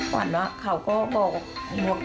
ก่อนหน้าเขาก็บอก